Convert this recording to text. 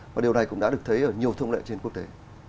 và điều này cũng đã được thấy ở nhiều thông lệ trên quốc tế